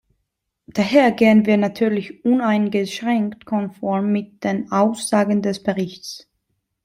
Daher gehen wir natürlich uneingeschränkt konform mit den Aussagen des Berichts.